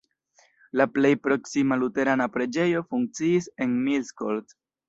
La plej proksima luterana preĝejo funkciis en Miskolc.